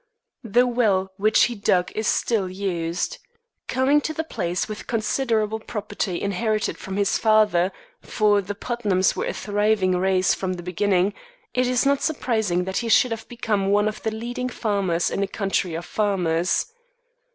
The well which he dug is still used. Coming to the place with considerable property inherited from his father (for the Putnams were a thriving race from the beginning), it is not surprising that he should have become one of the leading farmers in a county of farmers.